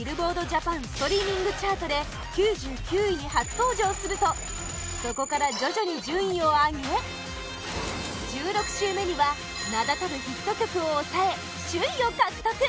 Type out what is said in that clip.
ストリーミングチャートで９９位に初登場するとそこから徐々に順位を上げ１６週目には名だたるヒット曲を抑え首位を獲得！